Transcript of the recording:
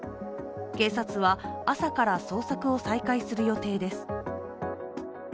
警察は朝から捜索を再開する予定です。